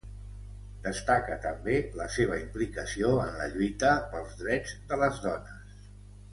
Destaca també la seva implicació en la lluita pels drets de les dones.